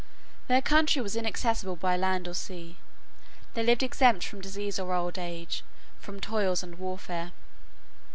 Their country was inaccessible by land or sea. They lived exempt from disease or old age, from toils and warfare.